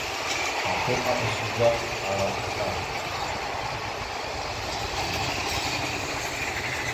Patu aɓas uvah ara sla.